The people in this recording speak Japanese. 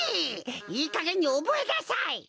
いいかげんにおぼえなさい！